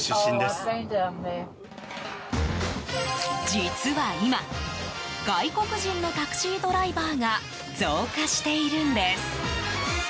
実は今、外国人のタクシードライバーが増加しているんです。